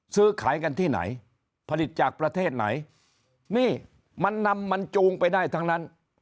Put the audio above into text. ซื้อขายกันที่ไหนผลิตจากประเทศไหนนี่มันนำมันจูงไปได้ทั้งนั้น